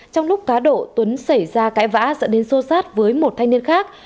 trong lúc cá đổ tuấn xảy ra cãi vã dẫn đến sô sát với một thanh niên khác